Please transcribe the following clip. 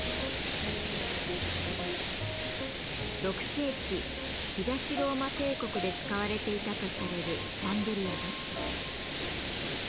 ６世紀東ローマ帝国で使われていたとされるシャンデリアです。